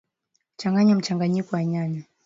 changanya mchanganyiko wa nyanya